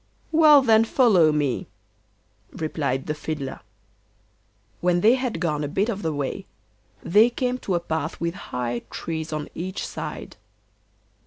'Well, then, follow me,' replied the Fiddler. When they had gone a bit of the way, they came to a path with high trees on each side.